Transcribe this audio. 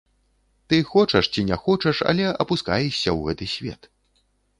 Ты хочаш ці не хочаш, але апускаешся ў гэты свет.